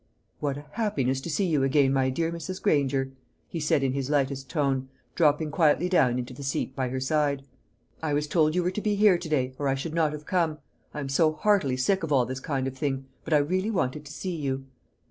"What a happiness to see you again, my dear Mrs. Granger!" he said in his lightest tone, dropping quietly down into the seat by her side. "I was told you were to be here to day, or I should not have come; I am so heartily sick of all this kind of thing. But I really wanted to see you."